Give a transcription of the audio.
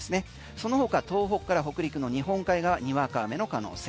その他東北から北陸の日本海側にわか雨の可能性。